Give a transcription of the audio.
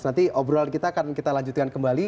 nanti obrolan kita akan kita lanjutkan kembali